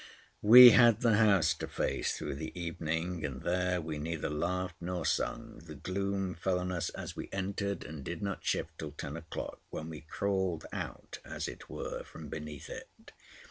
We had the house to face through the evening, and there we neither laughed nor sung. The gloom fell on us as we entered, and did not shift till ten o'clock, when we crawled out, as it were, from beneath it.